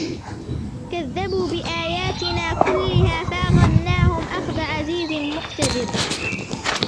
كَذَّبُوا بِآيَاتِنَا كُلِّهَا فَأَخَذْنَاهُمْ أَخْذَ عَزِيزٍ مُقْتَدِرٍ